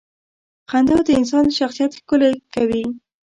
• خندا د انسان شخصیت ښکلې کوي.